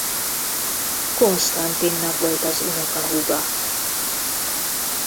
Konstantinnak volt az unokahúga.